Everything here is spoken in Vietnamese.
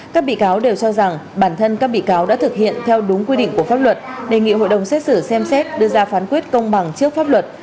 các bị cáo đều cho rằng bản thân các bị cáo đã thực hiện theo đúng quy định của pháp luật đề nghị hội đồng xét xử xem xét đưa ra phán quyết công bằng trước pháp luật